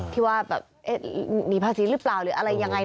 ที่ว่าแบบหนีภาษีหรือเปล่าหรืออะไรยังไง